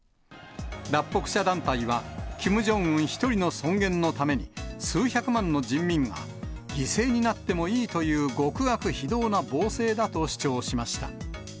脱北者団体は、キム・ジョンウン１人の尊厳のために、数百万の人民が犠牲になってもいいという極悪非道な暴政だと主張しました。